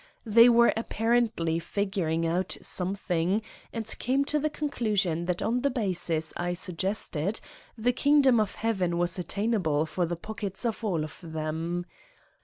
They were ap parently figuring out something and came to the conclusion that on the basis I suggested, the King dom of Heaven was attainable for the pockets of all of them.